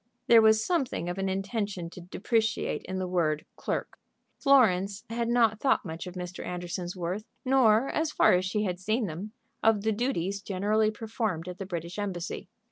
There was something of an intention to depreciate in the word "clerk." Florence had not thought much of Mr. Anderson's worth, nor, as far as she had seen them, of the duties generally performed at the British Embassy.